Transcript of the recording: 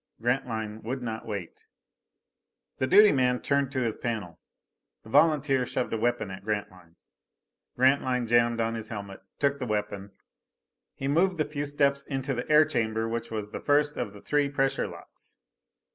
Grantline would not wait. The duty man turned to his panel. The volunteer shoved a weapon at Grantline. Grantline jammed on his helmet, took the weapon. He moved the few steps into the air chamber which was the first of the three pressure locks.